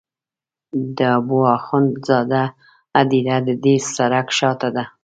د حبو اخند زاده هدیره د دې سړک شاته ده.